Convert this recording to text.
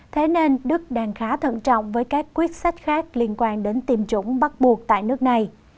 thế nên đức đang khá thận trọng với các quyết sách khác liên quan đến tiêm chủng bắt buộc tại nước này